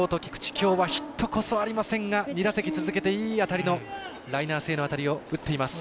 きょうはヒットこそありませんが２打席続けていい当たりのライナー性の当たりを打っています。